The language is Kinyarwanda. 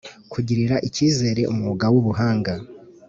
Kugirira icyizere umwuga w ubuhanga